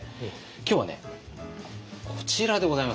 今日はねこちらでございます。